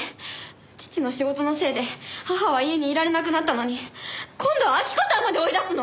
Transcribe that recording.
父の仕事のせいで母は家にいられなくなったのに今度は晃子さんまで追い出すの？